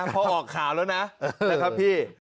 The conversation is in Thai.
พอออกข่าวแล้วนะนะครับพี่